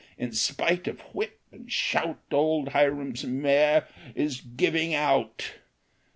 in spite of whip and shout, Old Hiram's mare is giving out